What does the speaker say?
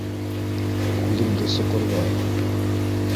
Күҙеңде соҡорҙар.